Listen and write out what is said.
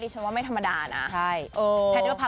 ก็ไม่ธรรมดาเหมือนกัน